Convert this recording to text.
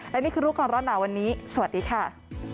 และนี่คือรู้ก่อนร้อนหนาวันนี้สวัสดีค่ะ